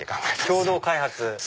共同開発。